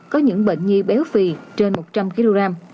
có những bệnh nhi béo phì trên một trăm linh kg